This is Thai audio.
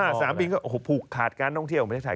สนามบินก็โอ้โหผูกขาดการท่องเที่ยวของประเทศไทย